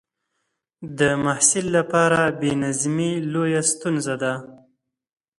د محصل لپاره بې نظمي لویه ستونزه ده.